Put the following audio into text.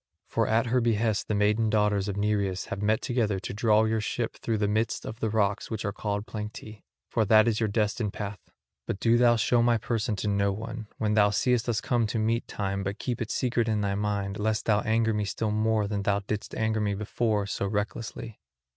For at her behest the maiden daughters of Nereus have met together to draw your ship through the midst of the rocks which are called Planctae, for that is your destined path. But do thou show my person to no one, when thou seest us come to meet time, but keep it secret in thy mind, lest thou anger me still more than thou didst anger me before so recklessly."